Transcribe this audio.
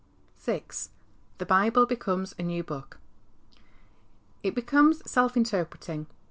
The Bible becomes a new book. It becomes self interpreting.